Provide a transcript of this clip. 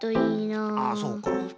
ああそうか。